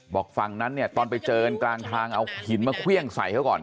ฝั่งนั้นเนี่ยตอนไปเจอกันกลางทางเอาหินมาเครื่องใส่เขาก่อน